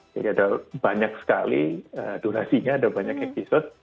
jadi ada banyak sekali durasinya ada banyak episode